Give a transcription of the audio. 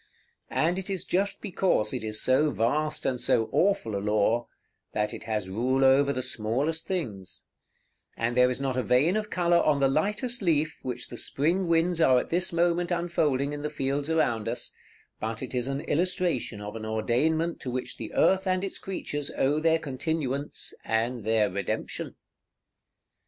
And it is just because it is so vast and so awful a law, that it has rule over the smallest things; and there is not a vein of color on the lightest leaf which the spring winds are at this moment unfolding in the fields around us, but it is an illustration of an ordainment to which the earth and its creatures owe their continuance, and their Redemption.